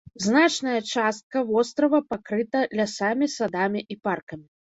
Значная частка вострава пакрыта лясамі, садамі і паркамі.